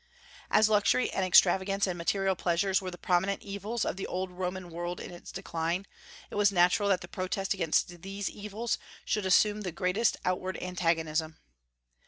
As luxury and extravagance and material pleasures were the prominent evils of the old Roman world in its decline, it was natural that the protest against these evils should assume the greatest outward antagonism.